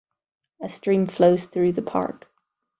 A stream flows through the park.